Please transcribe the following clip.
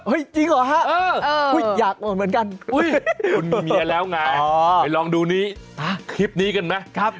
จริงเหรอฮะอยากอ่อนเหมือนกันคุณมีเมียแล้วไงไปลองดูนี้คลิปนี้กันไหม